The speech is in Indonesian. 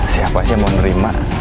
siapa sih yang mau menerima